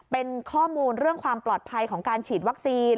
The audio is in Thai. เป็นข้อมูลเรื่องความปลอดภัยของการฉีดวัคซีน